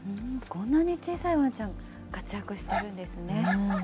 こんなに小さいワンちゃん、活躍してるんですね。